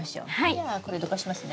じゃあこれどかしますね。